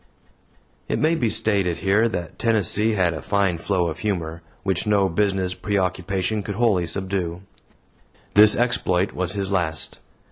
It may be stated here that Tennessee had a fine flow of humor, which no business preoccupation could wholly subdue. This exploit was his last.